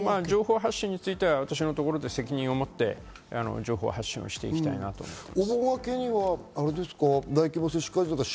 あと情報発信ついては、私のところで責任を持って情報発信をしていきたいなと思います。